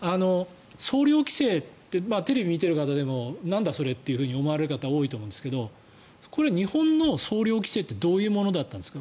総量規制ってテレビを見ている方でもなんだそれと思われる方多いと思うんですが日本の総量規制ってどういうものだったんですか？